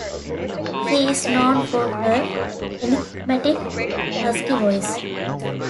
She is known for her enigmatic, husky voice.